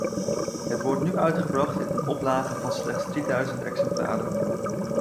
Het wordt nu uitgebracht in een oplage van slechts drieduizend exemplaren.